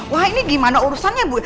wah ini gimana urusannya bu